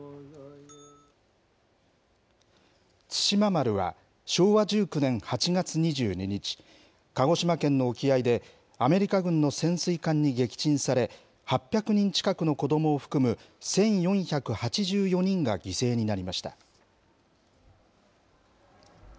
対馬丸は、昭和１９年８月２２日、鹿児島県の沖合でアメリカ軍の潜水艦に撃沈され、８００人近くの子どもを含む１４８４人が犠牲になりました。